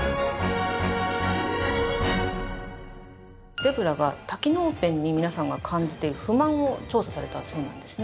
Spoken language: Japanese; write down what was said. ゼブラが多機能ペンに皆さんが感じている不満を調査されたそうなんですね。